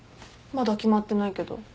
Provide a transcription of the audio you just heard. まだ決まってないけど。